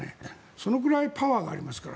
それぐらいパワーがありますから。